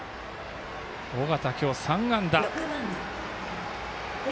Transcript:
尾形、今日３安打。